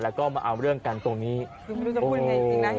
แล้วก็มาเอาเรื่องกันตรงนี้คือไม่รู้จะพูดยังไงจริงนะ